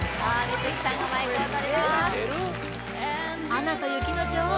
「アナと雪の女王